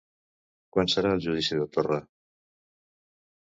Quan serà el judici de Torra?